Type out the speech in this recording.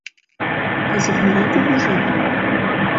Кызыт могай кугыжа?